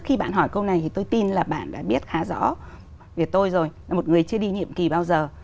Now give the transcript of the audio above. khi bạn hỏi câu này thì tôi tin là bạn đã biết khá rõ về tôi rồi là một người chưa đi nhiệm kỳ bao giờ